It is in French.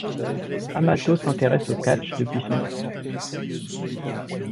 Amato s'intéresse au catch depuis son enfance.